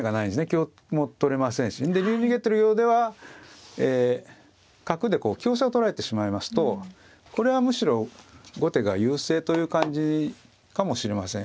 香も取れませんし竜逃げてるようでは角でこう香車を取られてしまいますとこれはむしろ後手が優勢という感じかもしれません。